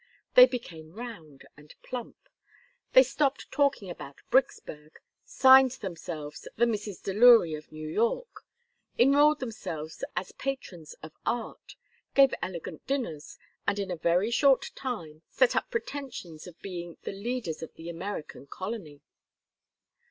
They became round and plump. They stopped talking about Bricksburg, signed themselves the Misses Delury of New York, enrolled themselves as patrons of art, gave elegant dinners, and in a very short time set up pretensions to being the leaders of the American colony.